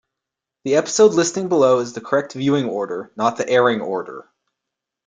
The episode listing below is the correct viewing order, not the airing order.